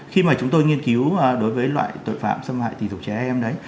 khi mà chúng tôi nghiên cứu đối với loại tội phạm xâm hại tình dục trẻ em đấy